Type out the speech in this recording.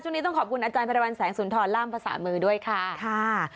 ช่วงนี้ต้องขอบคุณอาจารย์พระวัลแสงสุนทรล่ามภาษามือด้วยค่ะ